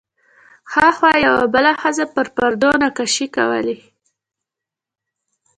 هاخوا یوه بله ښځه پر پردو نقاشۍ کولې.